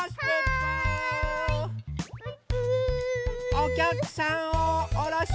おきゃくさんをおろします！